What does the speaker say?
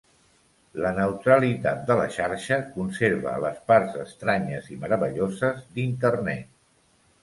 La Neutralitat de la xarxa conserva les parts estranyes i meravelloses d'Internet.